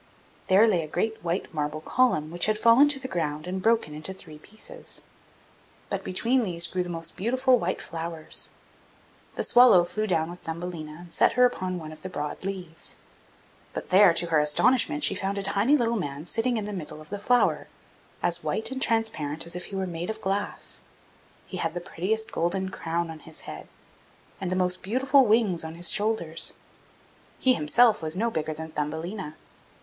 There lay a great white marble column which had fallen to the ground and broken into three pieces, but between these grew the most beautiful white flowers. The swallow flew down with Thumbelina, and set her upon one of the broad leaves. But there, to her astonishment, she found a tiny little man sitting in the middle of the flower, as white and transparent as if he were made of glass; he had the prettiest golden crown on his head, and the most beautiful wings on his shoulders; he himself was no bigger than Thumbelina.